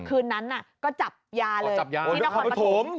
คืนนั้นก็จับยาเลยที่นครปฐม